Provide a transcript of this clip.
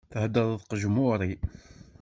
Theddreḍ qejmuri!